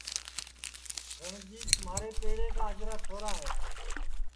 رنجیت مھارے پیڑے کا اجرا چھورا ہے